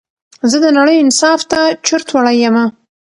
زه د نړۍ انصاف ته چورت وړى يمه